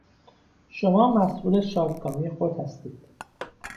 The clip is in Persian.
شما مسئول شادکامی خود هستید